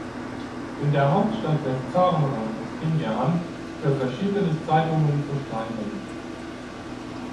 In der Hauptstadt des Zarenreichs fing er an, für verschiedene Zeitungen zu schreiben.